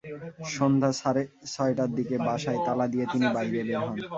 সন্ধ্যা সাড়ে ছয়টার দিকে বাসায় তালা দিয়ে তিনি বাইরে বের হন।